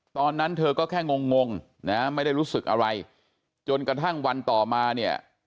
ตอนนั้นเธอก็แค่งงงนะไม่ได้รู้สึกอะไรจนกระทั่งวันต่อมาเนี่ย